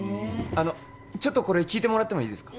あのちょっとこれ聞いてもらってもいいですか？